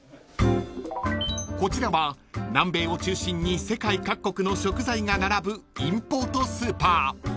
［こちらは南米を中心に世界各国の食材が並ぶインポートスーパー］